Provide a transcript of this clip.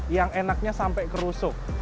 yang enaknya sampai kerusuk